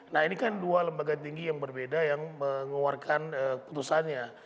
nah ini kan dua lembaga tinggi yang berbeda yang mengeluarkan putusannya